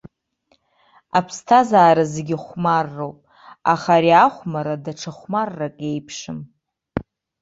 Аԥсҭазаара зегьы хәмарроуп, аха ари ахәмарра даҽа хәмаррак иеиԥшым.